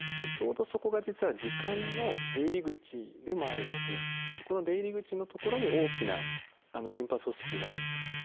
ちょうどそこが実は耳管の出入り口でもあるのでそこの出入り口の所に大きなリンパ組織があると。